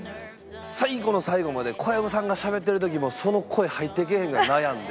最後の最後まで小籔さんがしゃべってる時もその声入ってけえへんぐらい悩んで。